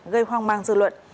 gây hoang mang dư luận